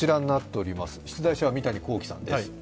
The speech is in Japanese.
出題者は三谷幸喜さんです。